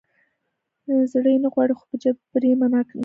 زړه یې نه غواړي خو په جبر یې منع نه کړي.